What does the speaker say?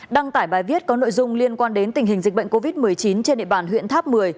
đăng tải bài viết có nội dung liên quan đến tình hình dịch bệnh covid một mươi chín trên địa bàn huyện tháp một mươi